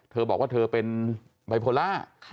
เธอบอกว่าเธอเป็นบริโภลา